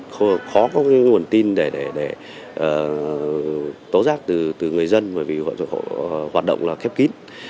không khó có cái nguồn tin để tố giác từ người dân bởi vì họ hoạt động là khép kín